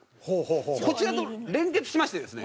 こちらと連結しましてですね